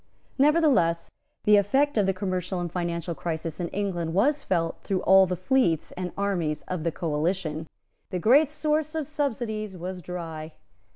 Nevertheless, the effect of the commercial and financial crisis in England was felt through all the fleets and armies of the coalition. The great source of subsidies was dry.